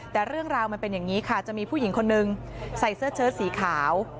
แต่เรื่องราวมันเป็นอย่างนี้ค่ะจะมีผู้หญิงคนนึงใส่เสื้อเชิดสีขาว